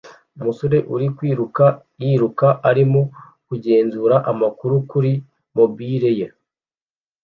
Umusore uri kwiruka yiruka arimo kugenzura amakuru kuri mobile ye